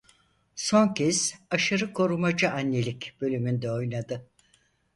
Son kez "Aşırı Korumacı Annelik" bölümünde oynadı.